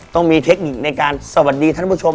ต้องมีเทคนิคในการสวัสดีท่านผู้ชม